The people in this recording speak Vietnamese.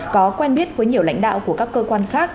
có quen biết với nhiều lãnh đạo của các cơ quan khác